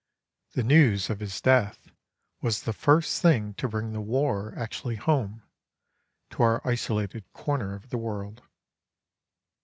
The news of his death was the first thing to bring the War actually home to our isolated corner of the world.